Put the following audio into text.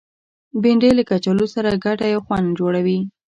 بېنډۍ له کچالو سره ګډه یو خوند جوړوي